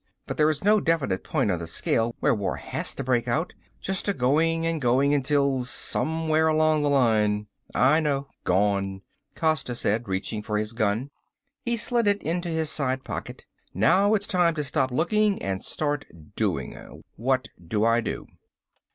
But there is no definite point on the scale where war has to break out. Just a going and going until, somewhere along the line " "I know. Gone." Costa said, reaching for his gun. He slid it into his side pocket. "Now it's time to stop looking and start doing. What do I do?"